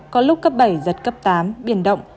có lúc cấp bảy giật cấp tám biển động